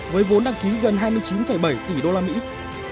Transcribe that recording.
với vốn đăng ký gần hai mươi chín bảy tỷ usd